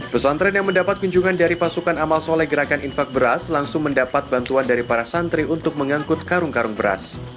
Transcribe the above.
pesantren yang mendapat kunjungan dari pasukan amal soleh gerakan infak beras langsung mendapat bantuan dari para santri untuk mengangkut karung karung beras